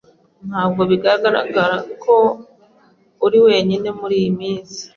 Ntabwo bigaragara ko uri wenyine muriyi minsi.